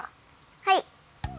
はい。